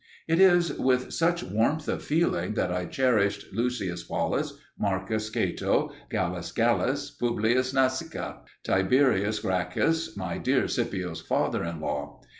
It is with such warmth of feeling that I cherished Lucius Paulus, Marcus Cato, Galus Gallus, Publius Nasica, Tiberius Gracchus, my dear Scipio's father in law.